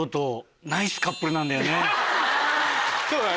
そうだね。